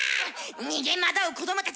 逃げ惑う子どもたち。